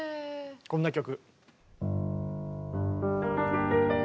こんな曲。